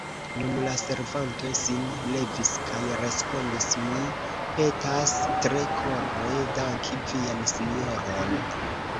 Nun la servanto sin levis kaj respondis: Mi petas tre kore danki vian sinjoron.